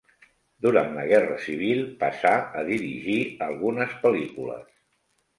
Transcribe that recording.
Durant la Guerra Civil passà a dirigir algunes pel·lícules.